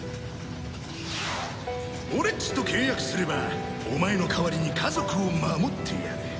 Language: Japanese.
俺っちと契約すればお前の代わりに家族を守ってやる。